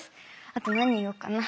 あと何言おうかな？